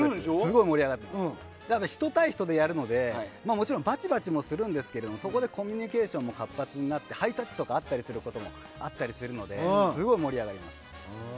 人対人でやるので、もちろんバチバチもするんですけどそこでコミュニケーションが活発になってハイタッチとかあったりするのですごい盛り上がります。